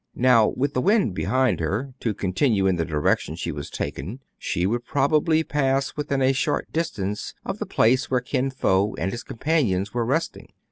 Now, with the wind behind her, to continue in the direction she was taking, she would probably pass within a short distance of the place where Kin Fo and his companions were resting.